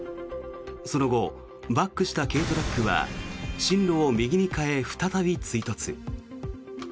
その後、バックした軽トラックは進路を右に変え、再び追突。